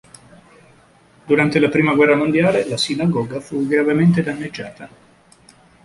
Durante la prima guerra mondiale, la sinagoga fu gravemente danneggiata.